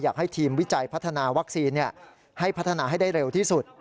อยากให้ทีมวิจัยพัฒนาวัคซีนให้พัฒนาให้ได้เร็วที่สุด